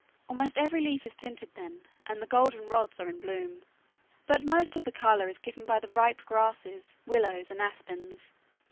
Almost every leaf is tinted then, and the golden rods are in bloom; but most of the color is given by the ripe grasses, willows, and aspens.